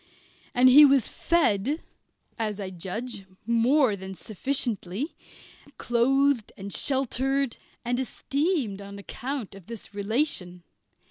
And he was fed (as I judge) more than sufficiently, clothed, sheltered, and esteemed on account of this relation.